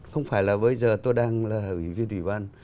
không phải là bây giờ tôi đang ở phía ủy ban